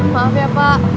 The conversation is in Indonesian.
maaf ya pak